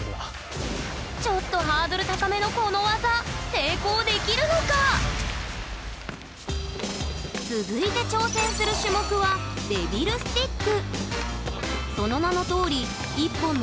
ちょっとハードル高めのこの技続いて挑戦する種目は「デビルスティック」。